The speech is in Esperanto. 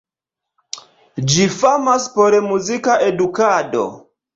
Ĝi famas por muzika edukado.